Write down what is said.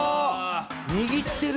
握ってる。